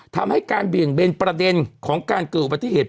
ทำให้การบิ่งเบนประเด็นของการเกิดปฏิเสธ